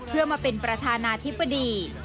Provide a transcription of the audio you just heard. เพื่อมาเป็นประธานาธิบดี